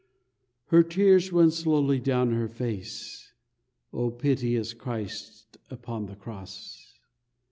Her tears run slowly down her face, O piteous Christ upon the Cross!